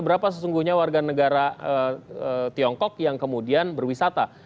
berapa sesungguhnya warga negara tiongkok yang kemudian berwisata